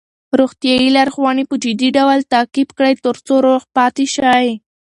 روغتیايي لارښوونې په جدي ډول تعقیب کړئ ترڅو روغ پاتې شئ.